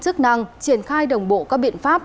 chức năng triển khai đồng bộ các biện pháp